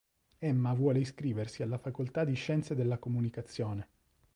Emma vuole iscriversi alla facoltà di scienze della comunicazione.